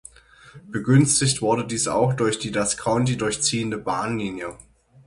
Begünstigt wurde dies auch durch die das County durchziehende Bahnlinie.